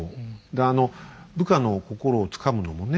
であの部下の心をつかむのもね